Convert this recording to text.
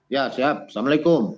ya siap assalamualaikum